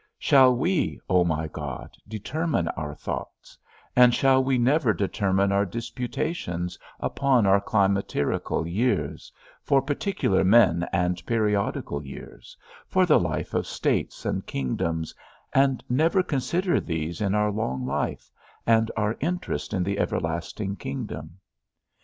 Shall we, O my God, determine our thoughts, and shall we never determine our disputations upon our climacterical years, for particular men and periodical years, for the life of states and kingdoms, and never consider these in our long life, and our interest in the everlasting kingdom?